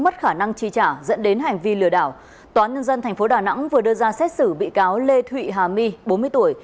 mất khả năng chi trả dẫn đến hành vi lừa đảo toán nhân dân tp đà nẵng vừa đưa ra xét xử bị cáo lê thụy hà my bốn mươi tuổi